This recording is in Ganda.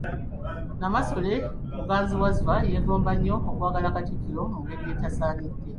Nnamasole Muganzirwazza yeegomba nnyo okwagala Katikkiro mu ngeri etasaanidde.